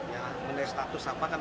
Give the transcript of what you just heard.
ya mengenai status apa